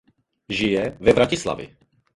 Žije ve Vratislavi.